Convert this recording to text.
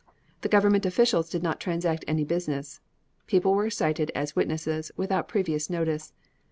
The government officials did not transact any business. People were cited as witnesses, without previous notice.